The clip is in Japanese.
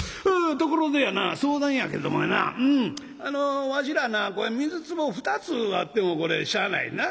ところでやな相談やけれどもやなわしらな水つぼ２つあってもこれしゃあないな。